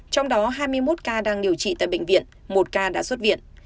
trong đó hai mươi một ca đang điều trị tại bệnh viện một ca đã xuất viện